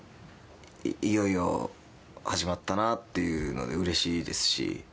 いよいよ始まったなっていうのでうれしいですし。